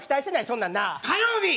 そんなんな火曜日！